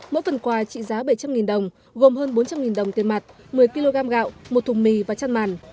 mỗi phần quà trị giá bảy trăm linh đồng gồm hơn bốn trăm linh đồng tiền mặt một mươi kg gạo một thùng mì và chăn màn